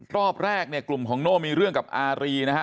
รอบแรกเนี่ยกลุ่มของโน่มีเรื่องกับอารีนะฮะ